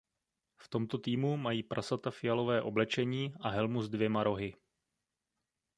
V tomto týmu mají prasata fialové oblečení a helmu s dvěma rohy.